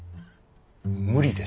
無理です。